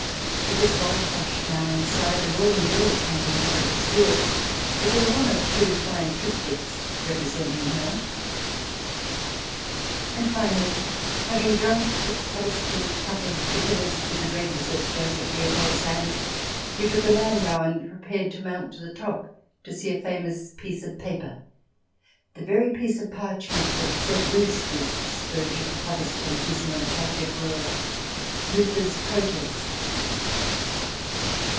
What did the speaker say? It is whitewashed now inside, and all mural paintings are obscured, but there are one or two fine triptychs representing her. And finally, having drunk the Protestant cup of bitterness to the dregs at Joseph Leopold's hands, we took a landau and prepared to mount to the top to see a famous piece of paper — the very piece of parchment that set loose this scourge of Protestantism on a Catholic world — Luther's Protest.